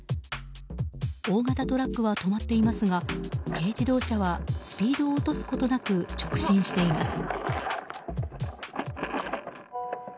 大型トラックは止まっていますが軽自動車はスピードを落とすことなく直進しています。